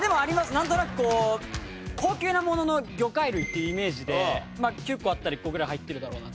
なんとなくこう高級なものの魚介類ってイメージで９個あったら１個ぐらい入ってるだろうなっていうのは。